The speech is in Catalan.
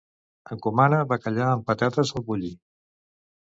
Encomana bacallà amb patates al Bulli.